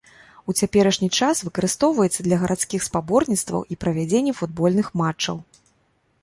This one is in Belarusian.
У цяперашні час выкарыстоўваецца для гарадскіх спаборніцтваў і правядзенні футбольных матчаў.